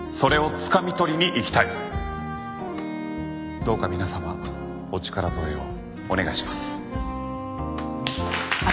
どうか皆様お力添えをお願いします。